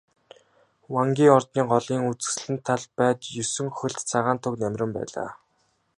Вангийн ордны голын үзэсгэлэнт талбайд есөн хөлт цагаан туг намиран байлаа.